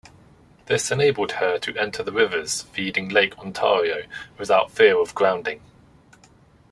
This enabled her to enter the rivers feeding Lake Ontario without fear of grounding.